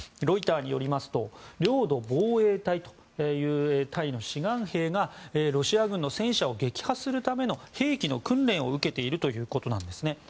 ロイターによりますと領土防衛隊という隊の志願兵がロシア軍の戦車を撃破するための兵器の訓練を受けているということです。